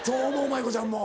まい子ちゃんも。